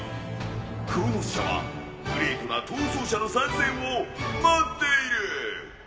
クロノス社はグレートな逃走者の参戦を待っている！